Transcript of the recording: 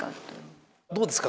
どうですか？